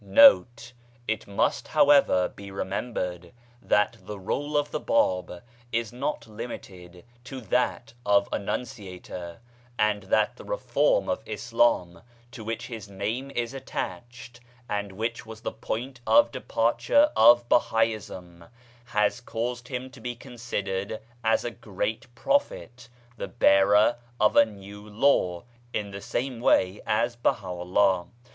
1 1 It must, however, be remembered that the role of the Bab is not limited to that of annunciator, and that the reform of Islam, to which his name is attached, and which was the point of departure of Bahaism, has caused him to be considered as a great Prophet, the bearer of a new Law, in the same way as Baha'u'llah.